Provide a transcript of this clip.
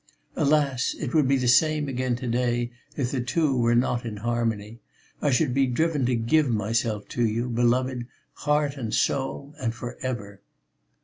Alas! it would be the same again to day, if the two were not in harmony; I should be driven to give myself to you, beloved, heart and soul, and for ever!"